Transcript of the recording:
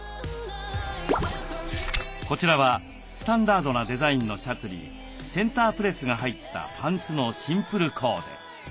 こちらはスタンダードなデザインのシャツにセンタープレスが入ったパンツのシンプルコーデ。